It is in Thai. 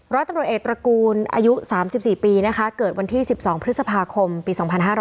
ร้อยตำรวจเอกตระกูลอายุ๓๔ปีนะคะเกิดวันที่๑๒พฤษภาคมปี๒๕๕๙